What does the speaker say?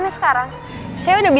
antingnya machte basic tanpaemieh